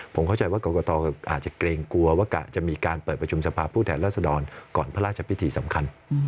ผมเข้าใจว่ากรกตอาจจะเกรงกลัวว่ากะจะมีการเปิดประชุมสภาพผู้แทนรัศดรก่อนพระราชพิธีสำคัญ